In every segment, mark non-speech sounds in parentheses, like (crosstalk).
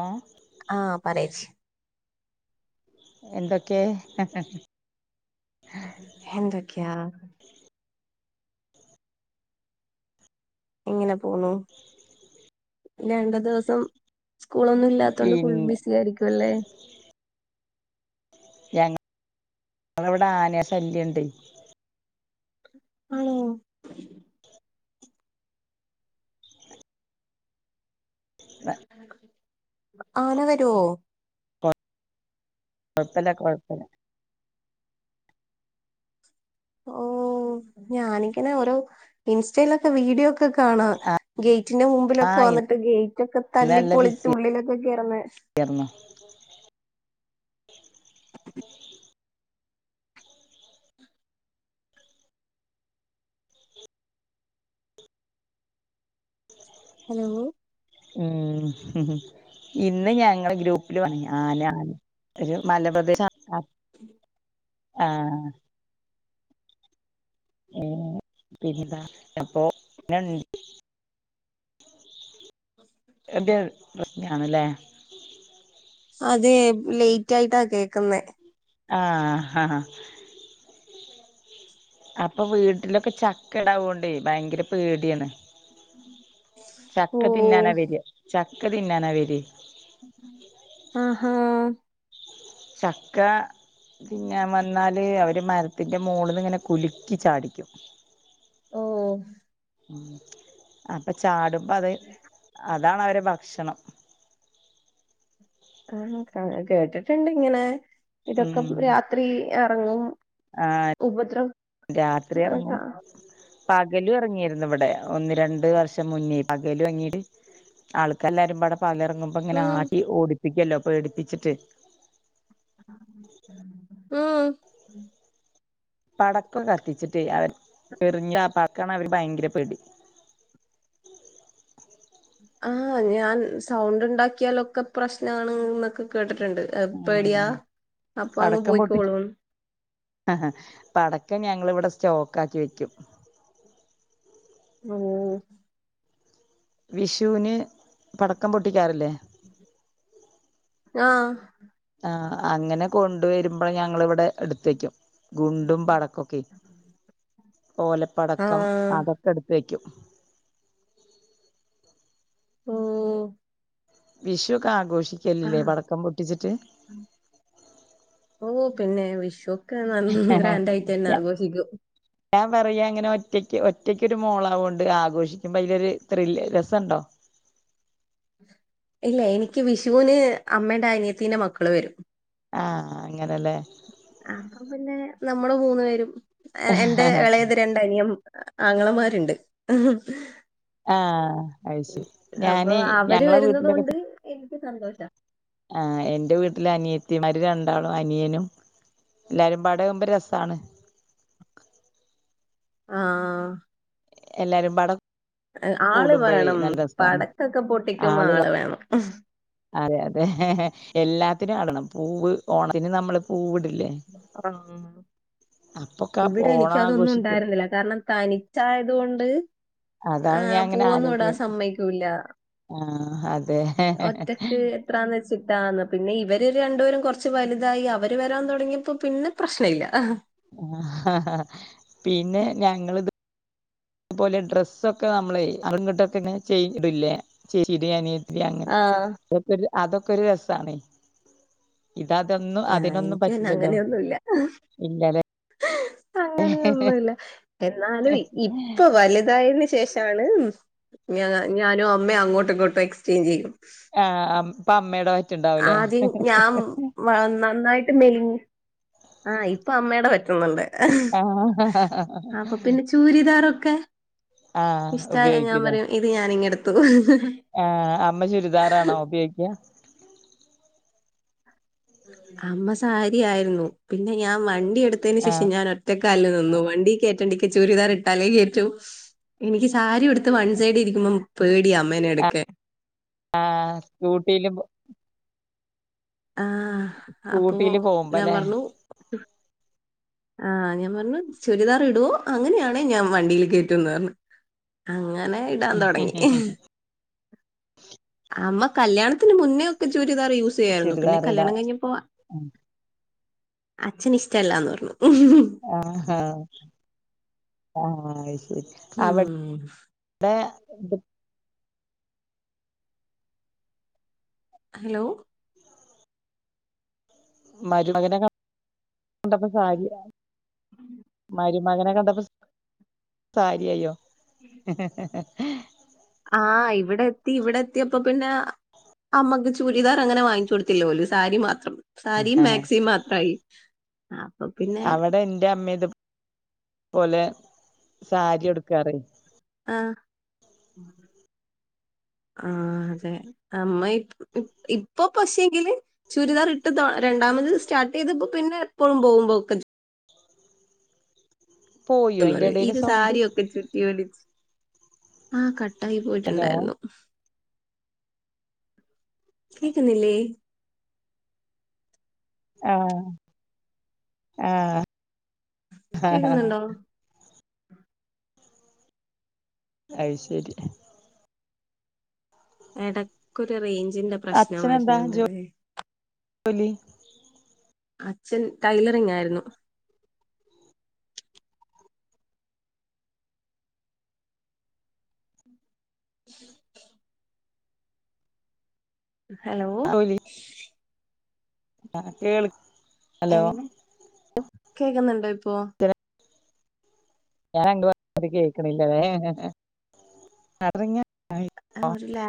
ഏ? ആഹ് പറയേച്ചി എന്തൊക്കേ? ഹ ഹ ഹ എന്തൊക്ക്യാ? ഇങ്ങനെ പോണൂ. ഇനി രണ്ട് ദിവസം സ്കൂളൊന്നുല്ല് ല്ലാത്തോണ്ട് ഫുൾ പിന്നെ ബിസിയായിരിക്കു അല്ലേ? ഞങ്ങ (inaudible) ളവിടെ ആനേ ശല്യണ്ട്. ആണോ? ആന വരോ? കൊഴ്പ്പല്ല കൊഴപ്പല്ല. ഊം. ഞാനിങ്ങനെ ഒരോ ഇൻസ്റ്റേലൊക്കെ വീഡിയോക്കെ കാണാം. ഗെയ്റ്റിന്റെ ആ മുമ്പിലൊക്കെ വന്ന്ട്ട് ഗെയ്റ്റൊക്കെ തല്ലിപ്പൊളിച്ചുള്ളിലൊക്കെ കേറ്ന്നേ. എർണ്ണ ഹലോ ഊം ഇന്ന് ഞങ്ങള് ഗ്രൂപ്പില് വന്നീനി ആനാ ന്ന്. ഒരു മലപ്രദേശ (unintelligible) അ (inaudible) ആഹ് ഏഹ് പിന്നെന്താ? എപ്പൊ (unintelligible) (inaudible) എന്റേത് പ്രശ്നാണ്ലേ. അതേ ലെയ്റ്റായിട്ടാ കേക്ക്ന്നേ. ആഹ് ഹ ഹ. അപ്പ വീട്ടിലൊക്കെ ചക്കടാവോണ്ടേ ഭയങ്കര പേട്യണ്. ചക്ക തിന്നാനാ ഓഹ് വെര. ചക്ക തിന്നാനാ വെരേയ്. ആഹാ ചക്കാ തിന്നാൻ വന്നാല് അവര് മര് ത്തിന്റെ മോള്ന്ന്ങ്ങനെ കുലുക്കി ചാടിയ്ക്കും. ഓ. അപ്പോ ചാടുമ്പത് അതാണവരെ ഭക്ഷണം. ആ, ക കേട്ടിട്ടണ്ടിങ്ങനെ ഇതൊക്കെ പ് ഉം രാത്രി എറങ്ങും. ആ, ഉപദ്രവം രാത്രി എറങ്ങും. പകലു എറങ്ങിയിരുന്നിവിടെ ഒന്ന് രണ്ട് വർഷം മുന്നേ പകലുറങ്ങിനും. ആൾക്കെരല്ലാരും പടെ പകലെ റെങ്ങുമ്പ ഇങ്ങനെ ഉം ആട്ടി ഓടിപ്പിക്കല്ലോ പേടിപ്പിച്ചിട്ട്. ആ ഉ (inaudible) ഉം. പടക്കം കത്തിച്ചിട്ടില്ല. അവര് എറിഞ്ഞ ഉപ്പാക്കാണ് അവര് ഭയങ്കര പേടി. ആ, ഞാൻ സൗണ്ടു ണ്ടാക്കിയാലൊക്കെ പ്രശ്നാണ് ന്നൊക്കെ കേട്ടിട്ടുണ്ട്. ഇങ്ങക്ക് ഉം പേടിയാ അപ്പൊ അങ്ങ് പോയികോളും. ആഹാ പടക്കം ഞങ്ങൾ ഇവിടെ സ്റ്റോക്ക് ആക്കി വെക്കും. ഉം. വിഷുവിന് പടക്കം പൊട്ടിക്കാറി ല്ലേ? ആ. ആ, അങ്ങനെ കൊണ്ട് വരുമ്പോൾ ഞങ്ങൾ ഇവിടെ എടുത്തു വയ്ക്കും. ഗുണ്ടും പടക്കൊക്കെ, ഓലപ്പടക്കം, ആഹ് അതൊക്കെ എടുത്തു വയ്ക്കും. ഉം. വിഷു ഒക്കെ ആഘോഷിക്കല്ലല്ലേ പടക്കം പൊട്ടിച്ചിട്ട്? ഓ, പിന്നെ വിഷു അതൊക്ക നല്ല ഗ്രാൻഡ ആയിട്ട് തന്നെ ആഘോഷിക്കും. ഞാൻ പറയാ അങ്ങനെ ഒറ്റക്ക് ഒറ്റക്കരു മോളാവോണ്ട് ഒര് ആഘോഷിക്കുമ്പോൾ അതിലൊരു ത്രില്ല് രസം ഉണ്ടോ? ഇല്ല എനിക്ക് വിഷുന് അമ്മയുടെ അനീ യത്തിന്റെ മക്കള് വരും. ആ, അങ്ങനെല്ലേ. അപ്പ പിന്നെ നമ്മൾ മൂന്ന് പേരും. എന്റെ എ ളയത് രണ്ട് രണ്ടു അനിയൻ,, ആങ്ങളമാരുണ്ട്. ആഹ് അത് ശരി അപ്പൊ ഞാന് അവര് ഞങ്ങളെ വരുന്നുന്നത് വീട്ടിലൊക്കെ കൊണ്ട് എനിക്ക് സന്തോഷം. ആ, എന്റെ വീട്ടില് അനിയത്തിമാര് രണ്ടാളും അനിയനും. എല്ലാവരും പാടെ ആവുമ്പോൾ രസമാണ്. ആ. എല്ലാരും പടെ ആള് വേണം, രസാണ് പടക്കൊക്കെ പൊട്ടിക്കുമ്പോൾ ആള് വേണം. അതെ അതെ എല്ലാത്തിനും ആൾവേണം. പൂവ് ഓണത്തിന് നമ്മൾ പൂവിടില്ലേ? ആ, അപ്പൊക്കെ ഇവിടെ ഓണം എനിക്ക് അതൊന്നും ആഘോഷിക്കും ഉണ്ടായിരുന്നില്ല കാരണം തനി തനിച്ച് ആയതു കൊണ്ട് ആ, അതാണ് പൂവൊന്നും ഇടാൻ സമ്മതിക്കുകയില്ല. ആ, അതെ. എത്രാന്ന് വെച്ചിട്ടാന്ന് പിന്നെ ഇവര് രണ്ടുപേരും കുറച്ച് വലുതായി അവര് വരാൻ തുടങ്ങി തുടങ്ങിയപ്പോ പിന്നെ പ്രശ്നം ഇല്ല. ആ പിന്നെ ഞങ്ങളും ഇതുപോലെ ഡ്രസ്സൊക്കെ നമ്മൾ അറങ്ങിട (unintelligible) ഇങ്ങെ ചെയ് ഇടില്ലേ ചെയ ആഹ് അങ്ങനെത്തെ അതൊക്കെ ഒരു രസം ആണ്. ഇത്അതൊന്നും ആഹ് അതിനൊന്നും എനിക്ക് പിന്നെ പറ്റില്ലല്ലോ. അങ്ങനെയൊന്നുല്ല ഇല്ല ലെ അങ്ങനെയൊന്നുല്ല എന്നാലും ഇപ്പൊ വലുതായതിനു ശേഷം ഞാനും, ഞാനുംഅമ്മയും അങ്ങോട്ടും ഇങ്ങോട്ടും എക്സ്ചേഞ്ച് ചെയ്യും. ആഹ അപ്പ അമ്മടെ പറ്റു ണ്ടാവൂലേ ആദ്യം ഞാൻ നന്നായിട്ട് മെലി ആ് ഇപ്പൊ അമ്മയുടെ പറ്റുന്നുണ്ട് ആഹ് അപ്പൊ പിന്നെ ചൂരിദാറൊക്കെ ആഹ് ഇഷ്ടായഞാൻ ഉപയോഗിക്കൂലേ പറയും ഇത് ഞാനിങ്ങെടുത്തു ആഹ അമ്മ ചുരിദാറാണോ ഉപയോഗിക്ക അമ്മ സാരിയായിരുന്നു പിന്നെ ഞാൻ വണ്ടി എടുത്തതിന് ആഹ് ശേഷം ഞാൻ ഒറ്റക്കാലിൽ നിന്നു വണ്ടി കയറ്റണ്ടിക്ക ചുരിദാർ ഇട്ടാലേ കേയറ്റു എനിക്ക് സാരി എടുത്ത് വൺ സൈഡ് ഇരിക്കുമ്പോൾ പേടിയ അമ്മേന എടുക്കാൻ ആഹ സ്കൂട്ടിയിലും ആഹ അപ്പോ സ്കൂട്ടിയില് ഞാൻ പോകുമ്പല്ലേ പറഞ്ഞു ആഹ് ഞാൻ പറഞ്ഞു ചുരിദാർ ഇടുവോ അങ്ങനെയാണ് ഞാൻ വണ്ടി കയറ്റുന്ന് പറഞ്ഞു അങ്ങനെ ഇടാൻ തുടങ്ങി അമ്മ കല്യാണത്തിന് മുന്നേ ഒക്കെ ചൂരിദാർ യൂസ് ചെയ്യായിരുന്നു പിന്നെ ചുരിദാറിടാ കല്യാണം കഴിഞ്ഞപ്പോ അച്ഛനിഷ്ടമല്ലാന്ന് പറഞ്ഞു ആഹ ആഹ അയ്ശരി ഉം ഇവിടെ ഹലോ മരുമകനെ കണ്ടെപ്പ സാരിയാ മരുമകനെ കണ്ടപ്പോ സാരിയയ്യോ ഉ ഹ ആഹ് ഇവിടെ എത്തി ഇവിടെ എത്തിയപ്പ പിന്നെ അമ്മക്ക് ചുരിദാർ അങ്ങനെ വാങ്ങിച്ച കൊടുത്തില്ലോല്ലു സാരി മാത്രം സരിം മാക്സിം മാത്രായി പിന്നെ അവിടെ എൻ്റെ അമ്മ ഇത് പോലെ സാരി എടുക്കാറേ ആഹ ആഹ അതെ അമ്മ ഇപ്പൊ പക്ഷെങ്കില് ചുരിദാർ ഇട്ട് രണ്ടാമത് സ്റ്റാർട്ട് ചെയ്തപ്പോ പിന്നെ എപ്പോഴും പോകുമ്പോക്ക ചുരി പോയോ പറ അയിന്റെ യും എടേല് ഇത് സൗണ്ട് സാരിയൊക്കെ ചുറ്റി വലച്ച് ആ കട്ടായി ഹലോ പോയിട്ടുണ്ടായിരുന്നു കേക്ക്ന്നിലേ ആഹ ആഹ കേക്കുന്നുണ്ടോ അയ് ശരി ഇടക്കൊരു റേഞ്ചിന്റെ പ്രശ്നം അച്ഛനന്താ ജോ വരുന്നുണ്ടല്ലേ ജോലി അച്ഛൻ ടൈലറിംഗ ആയിരുന്നു ഉ ഹലോ ആഹ കേൾ ഹലോ എങ്ങനെ കേക്കുന്നുണ്ടോ ഇപ്പോ ഞാൻ അങ്ങണ്ട്പറയുന്നത് കേക്കണില്ലേ (unintelligible) എന്നിട്ട് ലെ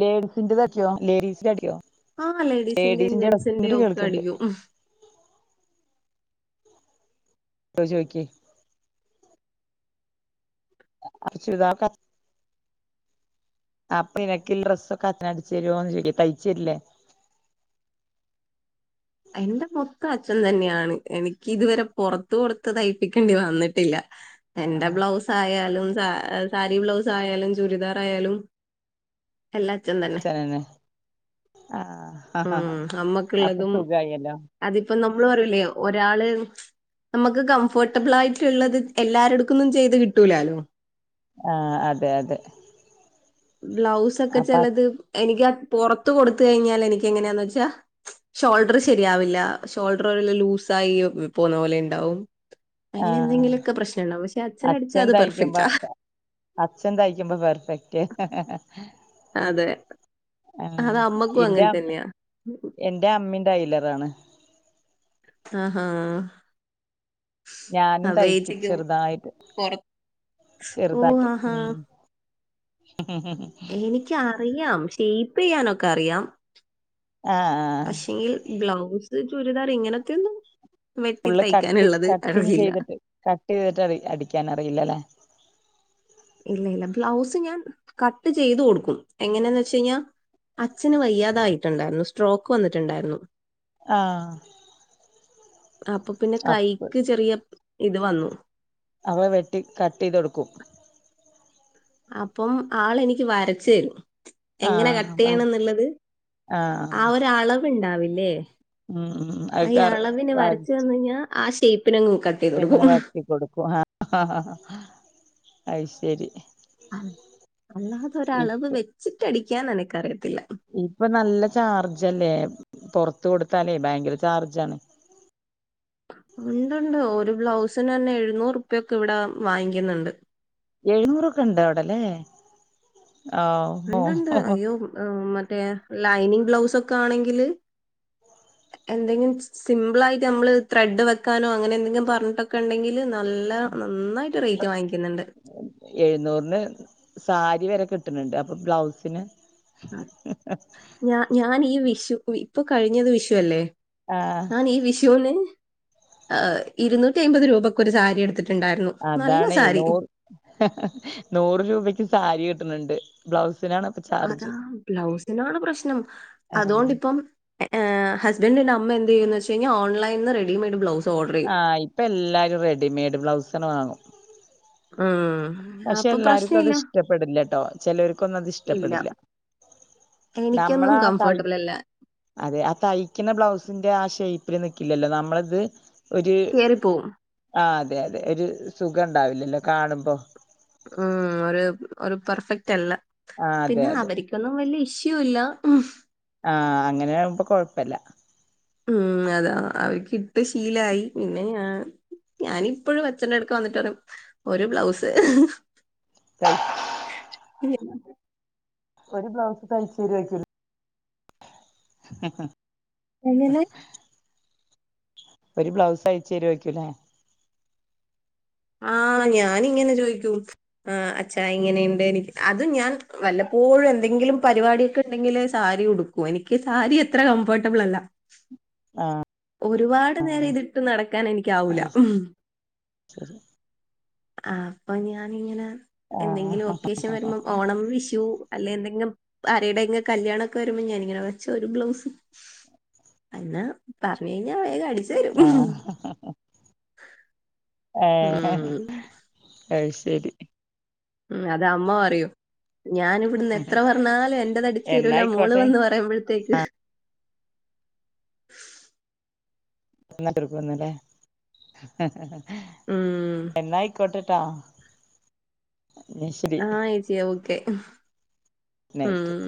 ലേഡീസിറത് അടിയോ ലേഡീസിന്റെ അടിയോ ആ ഹ ലേഡീസിന്റെയും ജെന്സിന്റെയും ഒക്കെ അടിക്കും കിട്ടോ ചോയിക്കി ആഹ് ചുരിദാറൊക്കെ അടി അപ്പൊ നിനക്ക്ല്ലെ ഡ്രസ്സൊക്കെ അച്ചന് അടിച്ച് തരോന്ന് ചോയ്ക്ക തയ്ച്ചരില്ലേ? എന്റെ മൊത്തം അച്ഛൻ തന്നെയാണ് എനിക്ക് ഇതുവരെ പൊറത്ത് കൊടുത്ത് തയ്പ്പിക്കേണ്ടി വന്നിട്ടില്ല എന്റെ ആഹ് ബ്ലൗസായാലും സ സാരി ബ്ലൗസ് ആയാലും ചൂരിദാർ ആയാലും എല്ലാം അച്ഛൻ തന്നെ അച്ഛനന്നെ ഉം ആഹ് അപ്പൊ അമ്മക്കുള്ളതും സുഖായല്ലോ? അതിപ്പോ നമ്മള് പറയൂലേ ഒരാള് നമ്മക്ക് കംഫോർട്ടബിൾ ആയിട്ട്ള്ളത് എല്ലാരടുക്കുന്നും ചെയ്ത് കിട്ടൂലാലോ? ആഹ് അതെ അതെ ബ്ലൗസ് ഒക്കെ അപ്പൊ ചെലത് എനിക്ക് പൊറത്ത് കൊടുത്ത് കഴിഞ്ഞാ എനിക്ക് എങ്ങനെയാന്ന് വെച്ചാ ഷോൾഡർ ശരിയാവില്ല ഷോൾഡർ വല്ല ലൂസായി പോവുന്ന പോലെയിണ്ടാവും അങ്ങനെ ആഹ് എന്തെങ്കിലൊക്കെ പ്രശ്നംണ്ടാവും പക്ഷെ അച്ഛനടിച്ചാ അച്ഛൻ അത് തയ്ക്കുമ്പോ പെർഫെക്റ്റാ അച്ഛൻ തയ്ക്കുമ്പോ പെർഫെക്റ്റ് അതെ ആഹ് അത് അമ്മക്കും ഇന്റെ അങ്ങനെ തന്നെയാ എന്റെ അമ്മിം ടൈലറാണ് ആഹ് ഹാ ഞാനും തയ്ക്കും ഏച്ചിക്കും ചെറുതായിട്ട് പൊറ ഓഹ് ചെറുതായിട്ട് ആഹാ. ഉം എനിക്ക് അറിയാം ഷെയിപ്പ് ചെയ്യാനൊക്കെ അറിയാം ആഹ് ആഹ് പക്ഷെ എങ്കിൽ ബ്ലൗസ്, ചുരിദാർ ഇങ്ങനത്തയൊന്നും വെട്ടി ഫുള്ള് കട്ട് തയ്ക്കാനുള്ളത് കട്ടിങ് അറിയില്ല. ചെയ്തിട്ട് കട്ട് ചെയ്തിട്ട് അടിക്കാനറിയില്ലലേ? ഇല്ല ഇല്ല ബ്ലൗസ് ഞാൻ കട്ട് ചെയ്ത് കൊടുക്കും. എങ്ങനേന്ന് വെച്ച് കഴിഞ്ഞാൽ അച്ഛന് വയ്യാതെ ആയിട്ട്ണ്ടായിരുന്നു സ്ട്രോക്ക് വന്നിട്ടുണ്ടായിരുന്നു. ആഹ് അപ്പൊ പിന്നെ അപ്പ് കൈക്ക് ചെറിയ ഇത് വന്നു. അപ്പൊ വെട്ടി കട്ട് ചെയ്ത് കൊടുക്കും. അപ്പം ആള് എനിക്ക് വരച്ച് തരും എങ്ങനെ ആഹ് വ കട്ടെയ്യണംന്നുള്ളത്, ആ ആഹ് ഒരു അളവിണ്ടാവില്ലേ? ഉം ഉം അത് ഈ കറ അളവിന് വരച്ച് തന്ന് കഴിഞ്ഞാ ആ ഷെയ്പ്പിനങ് കട്ട് ചെയ്ത് കൊടുക്കും. അങ്ങനെ വെട്ടി കൊടുക്കും. ആഹ് അയ്ശരി. അല്ലാതെ ഒര് അളവ് വെച്ചിട്ടടിക്കാൻ എനക്കറിയത്തില്ല. ഇപ്പൊ നല്ല ചാർജല്ലേ? പൊറത്ത് കൊടുത്താലേ ഭയങ്കര ചാർജാണ്. ഉണ്ടുണ്ട്. ഒരു ബ്ലൗസിന് തന്നെ എഴുന്നൂറ്പ്യൊക്കെ ഇവടെ വാങ്ങിക്ക്ന്ന്ണ്ട്. എഴുന്നൂറൊക്കെ ഇണ്ട് അവിടെ ല്ലേ? ഓഹോ ഇണ്ട്ണ്ട്. അയ്യോ! മറ്റേ ലൈനിങ് ബ്ലൗസൊക്കെ ആണെങ്കില് എന്തെങ്കിലും സിമ്പിളായിട്ട് നമ്മള് ത്രെഡ് വെക്കാനോ അങ്ങനെ എന്തെങ്കിലും പറഞ്ഞിട്ടൊക്കെ ഇണ്ടെങ്കി ല് നല്ല നന്നായിട്ട് റെയ്റ്റ് വാങ്ങിക്ക്ന്ന്ണ്ട്. എഴുന്നൂറിന് സാരി വരെ കിട്ട്ണ് ണ്ട്. അപ്പൊ ബ്ലൗസിന്, ആഹ് ഞ ഞാൻ ഈ വിഷു ഇപ്പൊ കഴിഞ്ഞത് വിഷുവല്ലേ? ആഹ് ഞാൻ ഈ വിഷൂന് ഏഹ് ഇരുന്നൂറ്റി അയ്മ്പത് രൂപക്കൊരു സാരി എടുത്തിട്ടുണ്ടായിരുന്നു. നല്ല അതാണേ സാരി നൂറ് നൂറ് രൂപക്കും സാരി കിട്ട്ണ് ണ്ട്. ബ്ലൗസിനാണ്, ഇപ്പൊ അതാ ചാർജ് ബ്ലൗസിനാണ് പ്രശ്നം അതു ആഹ് കൊണ്ടിപ്പം. ഏഹേ ഹസ്ബൻഡിന്റെ അമ്മ എന്തെയ്യും എന്ന് വെച്ച് കഴിഞ്ഞ ഓൺലൈനിന്ന് റെഡിമേഡ് ബ്ലൗസ് ഓർഡർ ചെയ്യും ആഹ്. ഇപ്പൊ എല്ലാരും റെഡിമെയ്ഡ് ബ്ലൗസാണ് വാങ്ങും. ഉം പക്ഷെ അപ്പൊ എല്ലാര്ക്കും അത് പ്രശ്നമില്ല ഇഷ്ടപ്പെടില്ലട്ടോ. ചേലോര്ക്കൊന്നും അത് ഇല്ല ഇഷ്ടപ്പെടില്ല. എനിക്കൊന്നും നമ്മളാ തൈ കംഫർട്ടബിളല്ല. അതെ. ആഹ് തയിക്ക്ണ ബ്ലൗസിന്റെ ആഹ് ഷേയ്പ്പിൽ നിക്കില്ലല്ലോ? നമ്മളത്. ഒര് കേറിപ്പോവും ആഹ് അതെ അതെ. ഒരു സുഖണ്ടാവില്ലല്ലോ കാണുമ്പോ? ഉം. ഒരു ഒര് പെർഫെക്റ്റ് അല്ല. ആഹ് അതെ പിന്നെ അതെ അവര്ക്ക് ഇതൊന്നും വല്ല്യ ഇഷ്യൂ ഇല്ല. ഉം ആഹ് അങ്ങനായാകുമ്പൊ കൊഴപ്പല്ല. ഉം. അതാ അവർക്കിട്ട് ശീലായി. പിന്നെ ഞാന് ഞാനിപ്പഴും അച്ഛന്റെ അട്ക്ക് വന്നിട്ട് പറയും ഒരു ബ്ലൗസ്. തൈ ഉം. ഒരു ബ്ലൗസ് തയ്ച്ചേരോയ്ക്കുലെ. ആ എങ്ങനെ? ഒരു ബ്ലൗസ് യ്ച്ചെരോയ്ക്കുലെ ആഹ് ഞാനിങ്ങനെ ചോയ്ക്കും. ആഹ് അച്ഛാ ഇങ്ങനെയുണ്ട് എനിക്ക്. അതും ഞാൻ വല്ലപ്പോഴും എന്തെങ്കിലും പരിപാടിയൊക്കെ ഉണ്ടെങ്കിലെ സാരി ഉടുക്കൂ. എനിക്ക് സാരി അത്ര കംഫോർട്ടബിളല്ല. ആഹ് ഒരുപാട് നേരം ഇതിട്ട് നടക്കാൻ എനിക്കാവൂല. അത് ശരി ആഹ് അപ്പ ഞാനിങ്ങനെ എന്തെങ്കിലൊക്കെ. ആഹ് വിശേഷം വരുമ്പം ഓണം, വിഷു അല്ലേ എന്തെങ്കിലും. ആര്ടെങ്കിലൊക്കെ കല്യാണൊക്കെ വര്മ്പോ ഞാനിങ്ങനെ അച്ഛ ഒരു ബ്ലൗസ്. പിന്നെ പറഞ്ഞഴ് ഞ്ഞാ വേഗം അടിക്കും. ആഹ് ഏഹ് അയ്ശെരി ഉം അത അമ്മ പറയും ഞാനും ഇവ്ടുന്ന് എത്ര പറഞ്ഞാലും എന്റതടിച്ചു തെരൂല മോള് എന്നായിക്കോട്ടെ വന്ന് പറയുമ്പത്തേക്ക് ഉം (unintelligible) എന്നായ്ക്കോട്ടേട്ടാ ന്നാശെരി ആഹ് ഏച്ചിയേ ഓക്കെ നൈറ്റ് ഉം